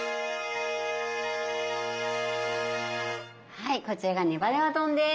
はいこちらが「ねばねば丼」です。